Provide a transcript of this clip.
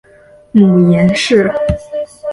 母阎氏。